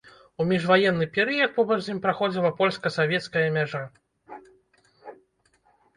У міжваенны перыяд побач з ім праходзіла польска-савецкая мяжа.